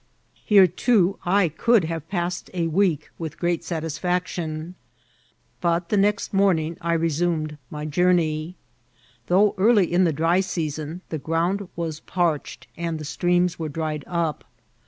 Here, too, I could have passed a week with great sat idEaction, but the next mcMrning I resumed my journey. Though early in the dry season, the ground was parch ed and the streams were dried up.